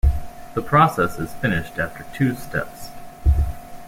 The process is finished after two steps.